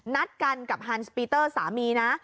นัดกันกับฮันสปีเตอร์สามีนะ